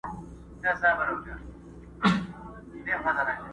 چي اغیار یې بې ضمیر جوړ کړ ته نه وې؛؛!